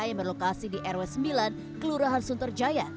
yang berlokasi di rw sembilan kelurahan sunterjaya